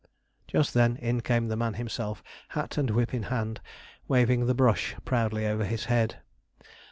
Just then in came the man himself, hat and whip in hand, waving the brush proudly over his head.